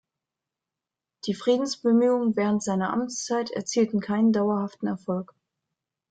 Die Friedensbemühungen während seiner Amtszeit erzielten keinen dauerhaften Erfolg.